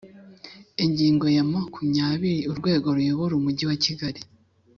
Ingingo ya makumyabiri Urwego ruyobora Umujyi wa kigali